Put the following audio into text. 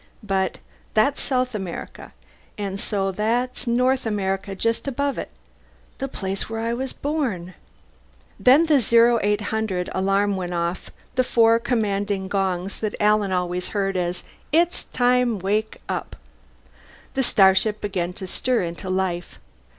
But that's South America. And so that's North America just above it. The place where I was born. Then the 0800 alarm went off, the four commanding gongs that Alan always heard as It's! Time! Wake! Up! The starship began to stir into life.